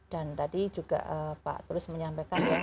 dan tadi juga pak turis menyampaikan ya